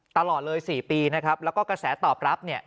ตลอดเลย๔ปีนะครับแล้วก็กระแสตอบรับเนี่ย